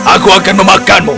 aku akan mencari kemampuanmu